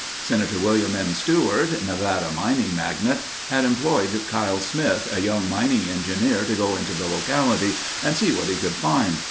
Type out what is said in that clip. Senator William M. Stewart, Nevada mining magnate, had employed Kyle Smith, a young mining engineer to go into the locality and see what he could find.